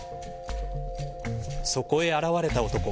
そこへ現れた男。